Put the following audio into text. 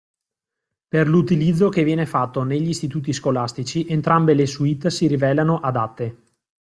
Per l'utilizzo che viene fatto negli istituti scolastici entrambe le suite si rivelano adatte.